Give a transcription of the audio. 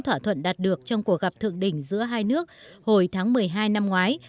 thỏa thuận đạt được trong cuộc gặp thượng đỉnh giữa hai nước hồi tháng một mươi hai năm ngoái